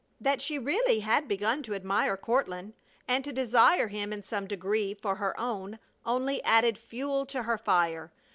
That she really had begun to admire Courtland, and to desire him in some degree for her own, only added fuel to her fire.